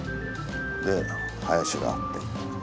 で林があって。